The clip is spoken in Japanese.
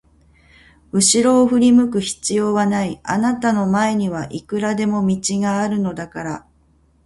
うしろを振り向く必要はない、あなたの前にはいくらでも道があるのだから。